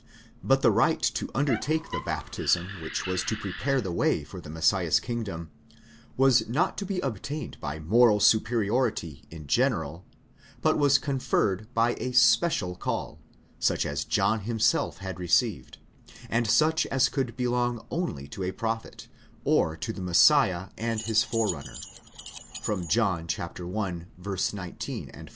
7_ But the right to undertake the baptism which was to prepare the way for the Messiah's kingdom, was not to be obtained by moral superiority in general, but was conferred by a special call, such as John himself had received, and such as could belong only to a prophet, or to the Messiah and his Forerunner (John i. το ff.).